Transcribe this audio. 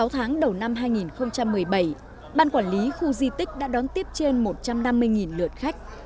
sáu tháng đầu năm hai nghìn một mươi bảy ban quản lý khu di tích đã đón tiếp trên một trăm năm mươi lượt khách